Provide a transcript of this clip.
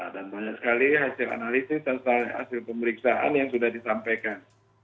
dan banyak sekali hasil analisis dan hasil pemeriksaan yang sudah disampaikan